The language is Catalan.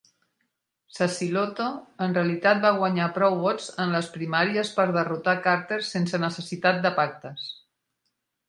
Sacilotto en realitat va guanyar prou votes en les primàries per derrotar Carter sense necessitat de pactes.